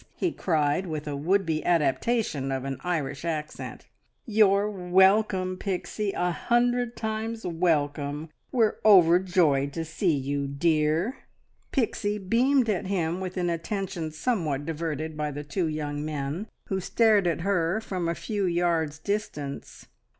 he cried, with a would be adaptation of an Irish accent. "You're welcome, Pixie a hundred times welcome. We're overjoyed to see you, dear." Pixie beamed at him, with an attention somewhat diverted by the two young men who stared at her from a few yards' distance.